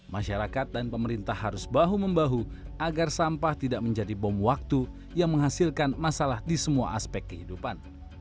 masyarakat dan pemerintah harus bahu membahu agar sampah tidak menjadi bom waktu yang menghasilkan masalah di semua aspek kehidupan